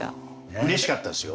うれしかったですよ。